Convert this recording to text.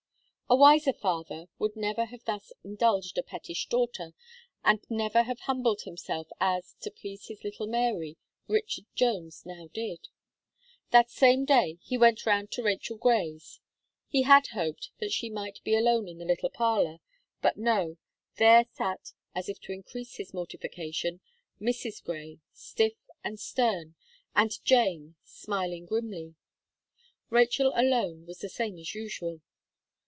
A wiser father would never have thus indulged a pettish daughter, and never have humbled himself as, to please his little Mary, Richard Jones now did. That same day, he went round to Rachel Gray's; he had hoped that she might be alone in the little parlour; but no, there sat, as if to increase his mortification, Mrs. Gray, stiff and stern, and Jane smiling grimly. Rachel alone was the same as usual.